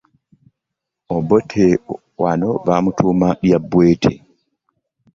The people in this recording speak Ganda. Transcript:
Obote wano baamutuuma lya Bwete.